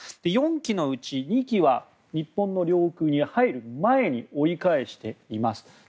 ４機のうち２機は日本の領空に入る前に折り返しています。